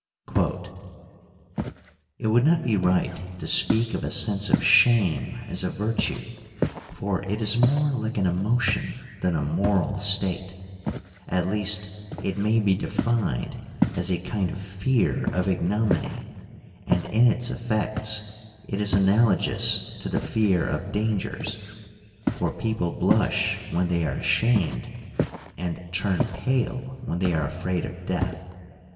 * Ethics, vii. 7. f Ibid. vii. 6. 204 FEMINISM IN GREEK LITERATURE It would not be right to speak of a sense of shame as a virtue, for it is more like an emotion than a moral state : at least it may be denned as a kind of fear of ignominy, and in its effects it is analogous to the fear of dangers, for people blush when they are ashamed and turn pale when they are afraid of death.